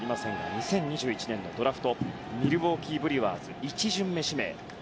２０２１年のドラフトでミルウォーキー・ブルワーズで１巡目指名。